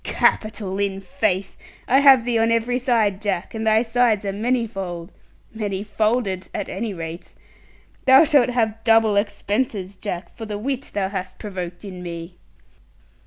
Capital, in faith! I have thee on every side, Jack, and thy sides are manifold; many folded at any rate. Thou shalt have double expenses, Jack, for the wit thou hast provoked in me.'